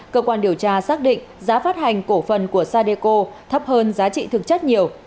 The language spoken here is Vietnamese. cơ quan điều tra xác định giá phát hành cổ phần của sadeco thấp hơn giá trị thực chất nhiều